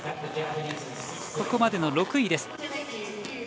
ここまでの６位です。